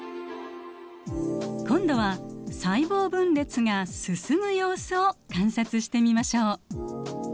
今度は細胞分裂が進む様子を観察してみましょう。